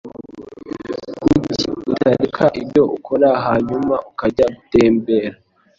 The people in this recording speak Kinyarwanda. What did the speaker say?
Kuki utareka ibyo ukora hanyuma ukajya gutembera?